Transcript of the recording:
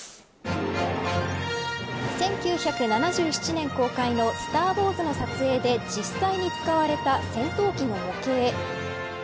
１９７７年公開のスター・ウォーズの撮影で実際に使われた戦闘機の模型。